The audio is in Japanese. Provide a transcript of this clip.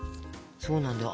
そうなんだよ。